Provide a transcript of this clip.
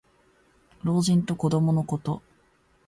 老人と子どものこと。